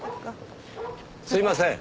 すいません。